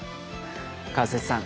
川節さん